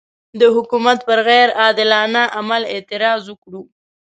د حکومت پر غیر عادلانه عمل اعتراض وکړو.